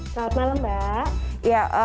selamat malam mbak